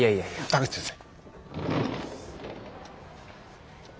田口先生。